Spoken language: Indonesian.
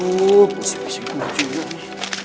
wuh isi isi gila juga ini